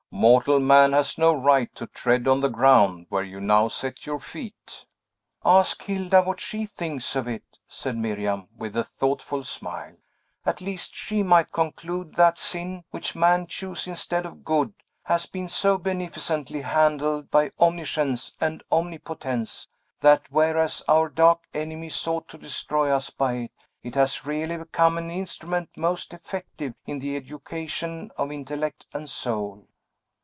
"Mortal man has no right to tread on the ground where you now set your feet." "Ask Hilda what she thinks of it," said Miriam, with a thoughtful smile. "At least, she might conclude that sin which man chose instead of good has been so beneficently handled by omniscience and omnipotence, that, whereas our dark enemy sought to destroy us by it, it has really become an instrument most effective in the education of intellect and soul."